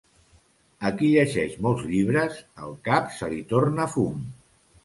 A qui llegeix molts llibres, el cap se li torna fum.